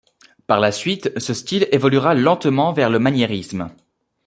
Par la suite ce style évoluera lentement vers le maniérisme.